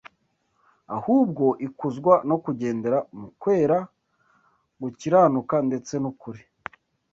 Ahubwo ikuzwa no kugendera mu kwera, gukiranuka ndetse n’ukuri